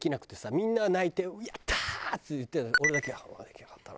みんな泣いて「やったー」って言ってるのに俺だけ「あんまできなかったな」。